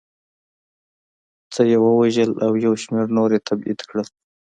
څه یې ووژل او یو شمېر نور یې تبعید کړل